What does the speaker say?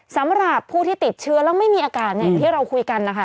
สำหรับผู้ที่ติดเชื้อแล้วไม่มีอาการอย่างที่เราคุยกันนะคะ